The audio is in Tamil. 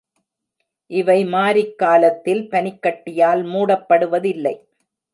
இவை மாரிக்காலத்தில் பனிக் கட்டியால் மூடப்படுவதில்லை.